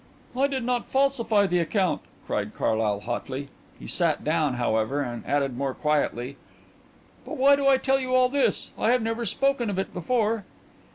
"I did not falsify the account," cried Carlyle hotly. He sat down, however, and added more quietly: "But why do I tell you all this? I have never spoken of it before."